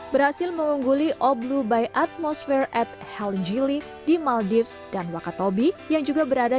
berhasil mengungguli oblu